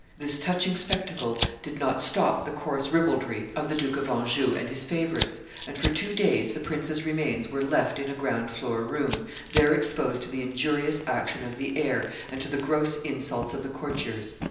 This touching spectacle did not stop the coarse ribaldry of the Duke of Anjou and his favorites; and for two days the prince's remains were left in a ground floor room, there exposed to the injurious action of the air and, to the gross insults of the courtiers.